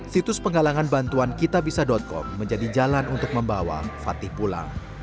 situs penggalangan bantuan kitabisa com menjadi jalan untuk membawa fatih pulang